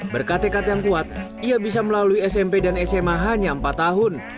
berkat dekat yang kuat ia bisa melalui smp dan sma hanya empat tahun